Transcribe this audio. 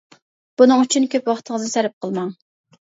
بۇنىڭ ئۈچۈن كۆپ ۋاقتىڭىزنى سەرپ قىلماڭ.